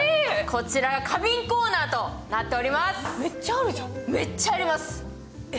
こちらが花瓶コーナーとなっております。